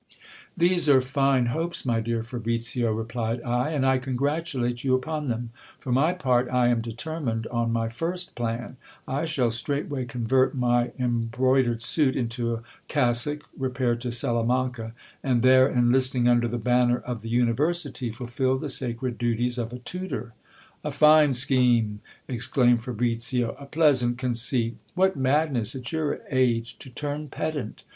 These are fine hopes, my dear Fabricio, replied I \ and I congratulate you upon them. For my part, I am determined on my first plan. I shall straight way convert my embroidered suit into a cassock, repair to Salamanca, and there, enlisting under the banner of the university, fulfil the sacred duties of a tutor. A fine scheme ! exclaimed Fabricio, a pleasant conceit ! What madness, at your age, to turn pedant